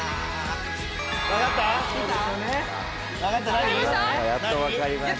何？やっと分かりました。